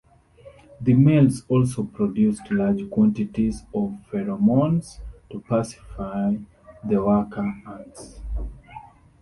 The males also produce large quantities of pheromones to pacify the worker ants.